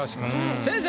先生